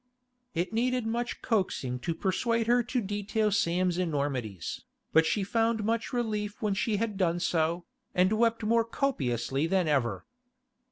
It needed much coaxing to persuade her to detail Sam's enormities, but she found much relief when she had done so, and wept more copiously than ever.